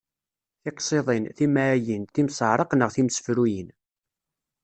Tiqṣiḍin, timɛayin, timseɛraq neɣ timsefruyin.